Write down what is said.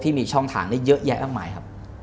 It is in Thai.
ที่มีช่องฐานได้เยอะแยะทั้งหมายครับ